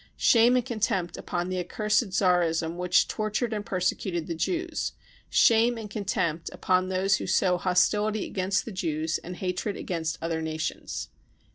" Shame and contempt upon the accursed Tsarism which tortured and persecuted the Jews ! Shame and contempt upon those who sow hostility against the Jews and hatred against other nations